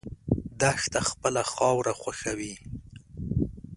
دښته خپله خاوره خوښوي.